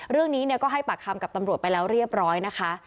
เรื่องนี้ก็ให้ปากคำกับตำรวจไปแล้วเรียบร้อยนะคะ